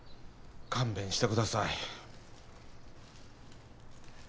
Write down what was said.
勘弁してください